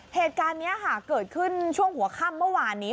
เหตุการณ์นี้ค่ะเกิดขึ้นช่วงหัวค่ำเมื่อวานนี้